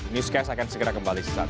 newscast akan segera kembali sesaat lagi